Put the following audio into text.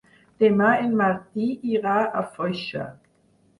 Demà en Martí irà a Foixà.